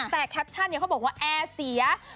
แต่แคปชั่นเขาบอกว่าแอร์เสีย